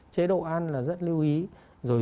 chế độ ăn là rất lưu ý rồi